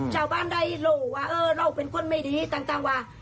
ชาวบ้านได้รู้ว่าเออเราเป็นคนไม่ดีต่างว่า